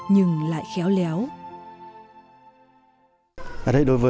nhưng lại khéo lẻo